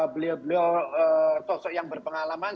beliau beliau sosok yang berpengalaman